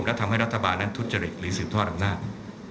และทำให้รัฐบาลนั้นทุจริตหรือสืบทอดอำนาจ